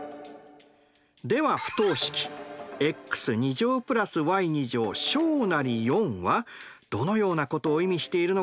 では不等式ｘ＋ｙ４はどのようなことを意味しているのかな？